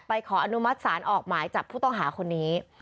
ขออนุมัติศาลออกหมายจับผู้ต้องหาคนนี้